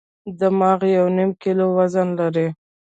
دماغ یو نیم کیلو وزن لري.